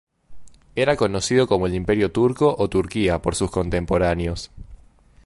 Era conocido como el Imperio turco o Turquía por sus contemporáneos.